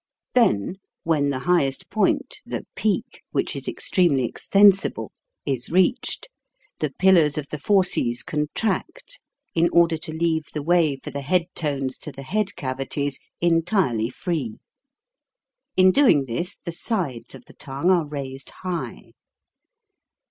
Then when the highest point (the peak, which is extremely extensible) is reached, the 194 HOW TO SING pillars of the fauces contract, in order to leave the way for the head tones to the head cavities entirely free. In doing this, the sides of the tongue are raised high.